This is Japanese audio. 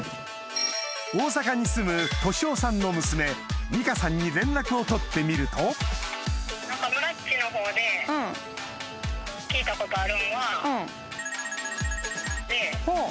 大阪に住む敏夫さんの娘美佳さんに連絡を取ってみるとほう。